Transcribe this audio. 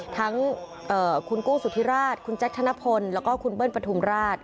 ทั้งคุณโก้สุธิราชคุณแจ๊คธนพลแล้วก็คุณเบิ้ลปฐุมราช